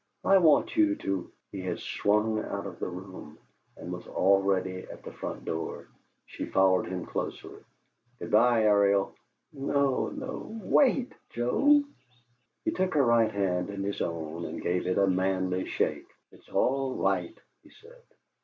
"I want you to " He had swung out of the room and was already at the front door. She followed him closely. "Good bye, Ariel!" "No, no! WAIT, Joe!" He took her right hand in his own, and gave it a manly shake. "It's all right," he said.